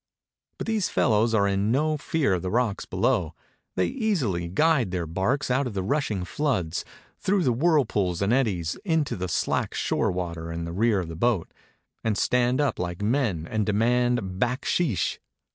But these fellows are in no fear of the rocks below; they easily guide their barks out of the rushing floods, through the whirlpools and eddies, into the slack shore water in the rear of the boat, and stand up like men and demand backsheesh.